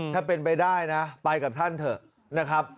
ถ้าเป็นไปได้นะไปกับท่านเถอะนะครับ